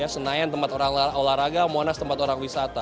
senayan tempat olahraga monas tempat orang wisata